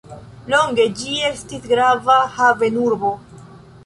Longe ĝi estis grava havenurbo.